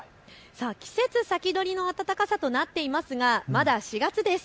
季節先取りの暖かさとなっていますがまだ４月です。